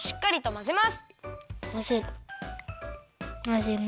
まぜまぜ。